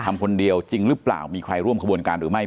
ทำคนเดียวจริงหรือเปล่ามีใครร่วมขบวนการหรือไม่